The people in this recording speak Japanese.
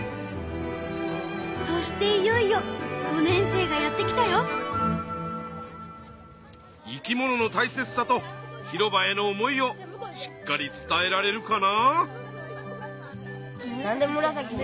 そしていよいよ５年生がやって来たよ。生き物の大切さと広場への思いをしっかり伝えられるかな？